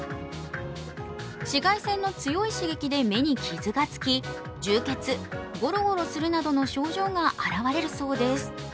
紫外線の強い刺激で目に傷がつき充血、ごろごろするなどの症状が現れるそうです。